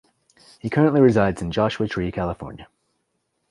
He currently resides in Joshua Tree, California.